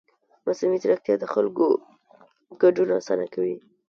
مصنوعي ځیرکتیا د خلکو ګډون اسانه کوي.